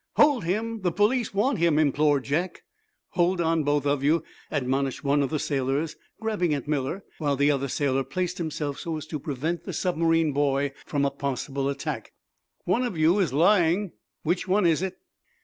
"Hold him! The police want him!" implored Jack. "Hold on, both of you," admonished one of the sailors, grabbing at Miller, while the other sailor placed himself so as to prevent the submarine boy from a possible attack. "One of you is lying. Which one is it?"